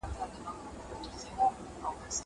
ته ولي موسيقي اورې؟